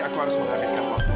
aku harus menghabiskan waktu